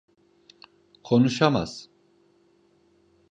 Konuşamaz.